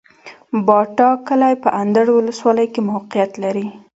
باټا کلی په اندړ ولسوالۍ کي موقعيت لري